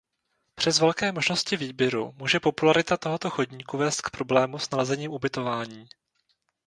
Přes velké možnosti výběru může popularita tohoto chodníku vést k problému s nalezením ubytování.